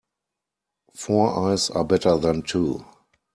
Four eyes are better than two.